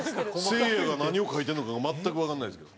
せいやが何を描いてるのかが全くわからないですけど。